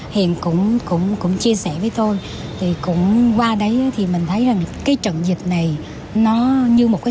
hiền cũng chia sẻ với tôi thì cũng qua đấy thì mình thấy rằng cái trận dịch này nó như một cái